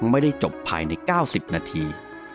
ไม่ได้จบภายใน๙๐นาที